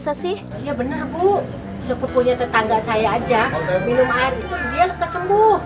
ya bener bu sepupunya tetangga saya aja minum air itu dia kesembuh